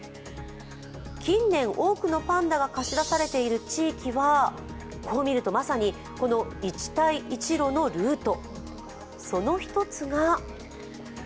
近年多くのパンダが貸し出されている地域は、こう見るとまさにこの一帯一路のルート。